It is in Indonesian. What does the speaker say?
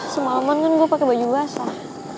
semalaman kan gue pakai baju basah